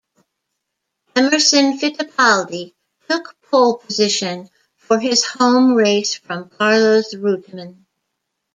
Emerson Fittipaldi took pole position for his home race from Carlos Reutemann.